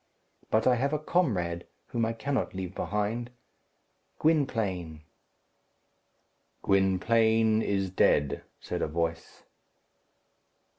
But I have a comrade, whom I cannot leave behind Gwynplaine." "Gwynplaine is dead," said a voice.